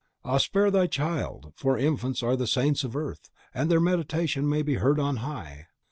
Ah, spare thy child, for infants are the saints of earth, and their mediation may be heard on high!